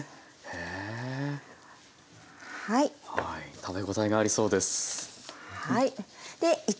食べ応えがありそうです。